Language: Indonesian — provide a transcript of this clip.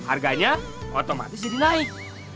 harganya otomatis jadi naik